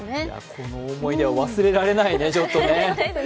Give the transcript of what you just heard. この思い出は忘れられないね、ちょっとね。